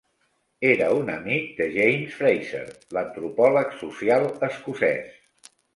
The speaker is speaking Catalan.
Era un amic de James Frazer, l'antropòleg social escocès.